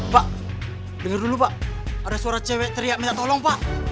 pak dengar dulu pak ada suara cewek teriak minta tolong pak